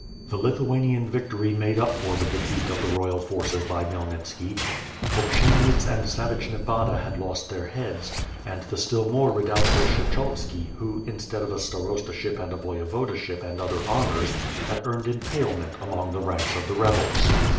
The Lithuanian victory made up for the defeat of the royal forces by Khmyel nitski. Polksienjyts and savage Nebaba had lost their heads^ and the still more redoubtable Kshechovski who, instead of a Starostship and a Voyevodaship and other honors, had earned impalement among the ranks of the rebels.